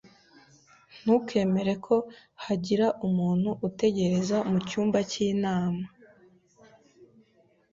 Ntukemere ko hagira umuntu utegereza mucyumba cy'inama.